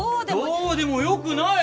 どうでもよくないよ。